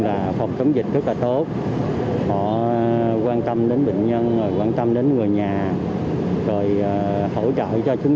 rep mãy để wildfile vn